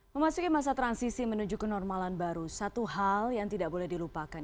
memasuki masa transisi menuju kenormalan baru satu hal yang tidak boleh dilupakan